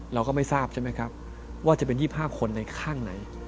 เราก็ไม่ทราบใช่ไหมครับว่าจะเป็น๒๕คนในข้างไหน